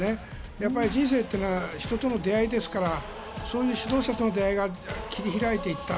やっぱり人生というのは人との出会いですからそういう指導者との出会いが切り開いていった。